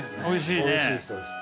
おいしいね。